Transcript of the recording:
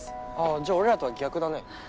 じゃあ俺らとは逆だね。